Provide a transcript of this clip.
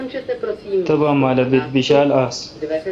تبا مالہ ببیت بیشال آآس